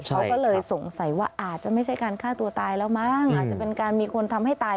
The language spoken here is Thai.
เขาก็เลยสงสัยว่าอาจจะไม่ใช่การฆ่าตัวตายแล้วมั้งอาจจะเป็นการมีคนทำให้ตาย